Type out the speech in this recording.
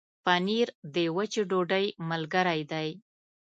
پنېر د وچې ډوډۍ ملګری دی.